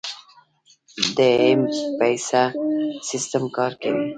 د ایم پیسه سیستم کار کوي؟